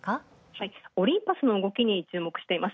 オリンパスの動きに注目しています。